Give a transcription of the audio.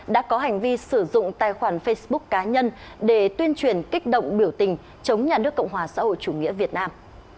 đã có hành vi sử dụng tài khoản facebook cá nhân để tuyên truyền kích động biểu tình chống nhà nước cộng hòa xã hội chủ nghĩa việt nam